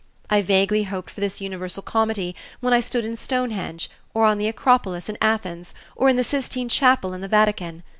I vaguely hoped for this universal comity when I stood in Stonehenge, on the Acropolis in Athens, or in the Sistine Chapel in the Vatican.